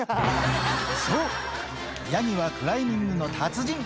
そう、ヤギはクライミングの達人。